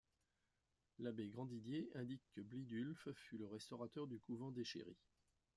L’abbé Grandidier indique que Blidulphe fut le restaurateur du couvent d’Échéry.